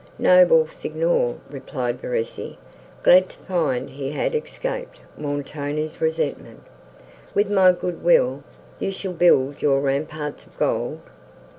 "Noble Signor," replied Verezzi, glad to find he had escaped Montoni's resentment, "with my good will, you shall build your ramparts of gold."